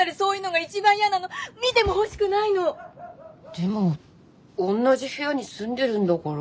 でも同じ部屋に住んでるんだから。